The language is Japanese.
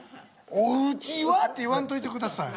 「お家は」って言わんといてください。